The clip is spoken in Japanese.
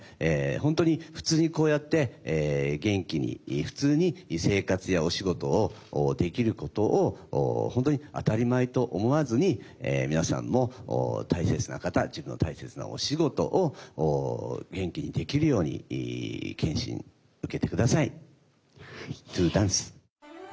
本当に普通にこうやって元気に普通に生活やお仕事をできることを本当に当たり前と思わずに皆さんも大切な方自分の大切なお仕事を元気にできるように検診受けて下さい。